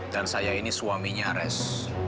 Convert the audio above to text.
dan saya ini suaminya res